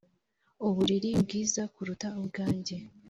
uburiri bwiza kuruta ubwanjye? "